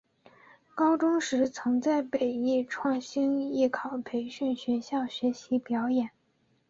高中时曾在北艺创星艺考培训学校学习表演。